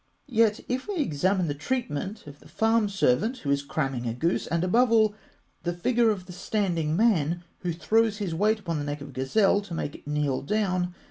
Yet, if we examine the treatment of the farm servant who is cramming a goose, and, above all, the figure of the standing man who throws his weight upon the neck of a gazelle to make it kneel down (fig.